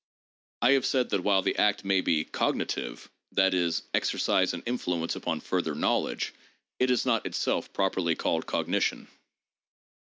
I have said that while the act may be cogm tive (that is, exercise an influence upon further knowledge) it is not itself properly called cognition.